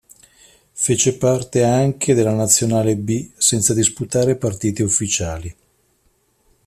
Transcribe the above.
Fece parte anche della nazionale B, senza disputare partite ufficiali.